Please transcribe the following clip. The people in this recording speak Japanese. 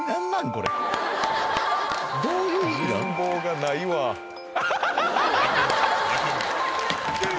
これどういう意味なん？